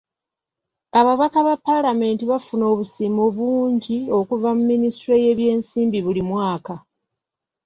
Ababaka ba palamenti bafuna obusiimo bungi okuva mu minisitule y'ebyensimbi buli mwaka.